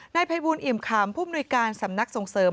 นายภัยบูลอิ่มขำผู้มนุยการสำนักส่งเสริม